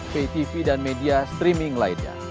ptv dan media streaming lainnya